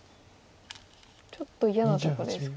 ちょっと嫌なとこですか。